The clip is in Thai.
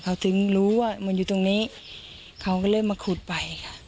เขาถึงรู้ว่ามันอยู่ตรงนี้เขาก็เลยมาขุดไปค่ะ